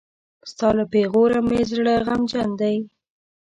ستا له پېغوره مې زړه غمجن دی.